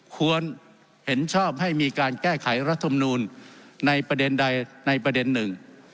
ควรเห็นชอบให้มีการแก้ไขรัฐมนูลในประเด็นใดในประเด็นหนึ่ง